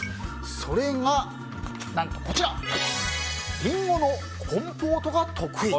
それがリンゴのコンポートが得意。